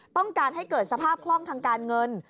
ต้องการให้เกิดสภาพคล่องทางการเงิน